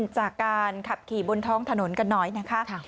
จากการขับขี่บนท้องถนนกันหน่อยนะคะ